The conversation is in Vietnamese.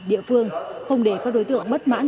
địa phương không để các đối tượng bất mãn